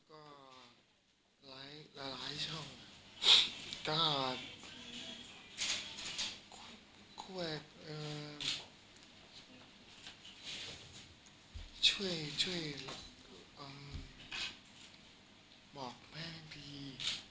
ก็หลายหลายหลายช่องการควบคุยช่วยช่วยบอกแม่ดี